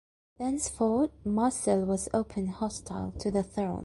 Thenceforth, Marcel was openly hostile to the throne.